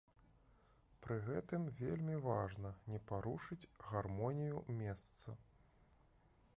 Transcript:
Пры гэтым вельмі важна не парушыць гармонію месца.